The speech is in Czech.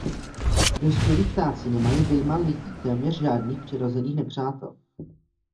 Dospělí ptáci nemají vyjma lidí téměř žádných přirozených nepřátel.